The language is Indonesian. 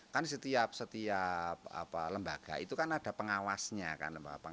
kan setiap lembaga itu kan ada pengawasnya kan